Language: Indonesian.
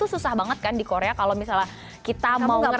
susah banget kan di korea kalau misalnya kita mau ngasih